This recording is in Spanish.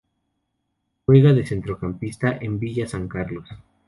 Juega de centrocampista en Villa San Carlos.